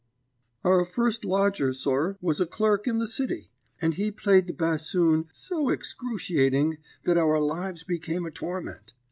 "Our first lodger, sir, was a clerk in the City, and he played the bassoon that excruciating that our lives become a torment.